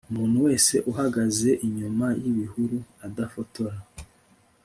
umuntu uhagaze inyuma yibihuru adufotora